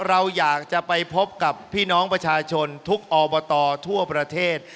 เราอยากจะไปพบกับพี่น้องประชาชนทุกอบตทั่วประเทศ